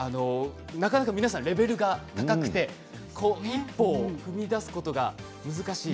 なかなか皆さんレベルが高くて一歩踏み出すことが難しい。